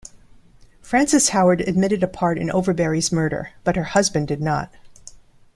Frances Howard admitted a part in Overbury's murder, but her husband did not.